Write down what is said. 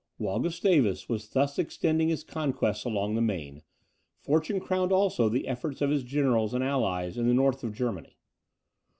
While Gustavus was thus extending his conquests along the Maine, fortune crowned also the efforts of his generals and allies in the north of Germany.